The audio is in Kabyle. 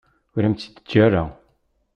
Ur am-tt-id-teǧǧa ara.